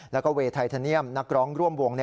แล้วก็เวทายทานียอมนักร้องร่วมวง